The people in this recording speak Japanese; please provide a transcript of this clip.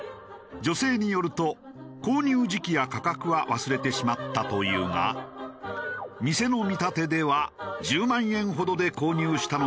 女性によると購入時期や価格は忘れてしまったというが店の見立てでは１０万円ほどで購入したのではないかとの事。